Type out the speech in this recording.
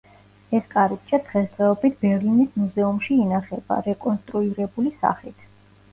ეს კარიბჭე დღესდღეობით ბერლინის მუზეუმში ინახება, რეკონსტრუირებული სახით.